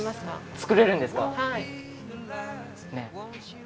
作れるんですか。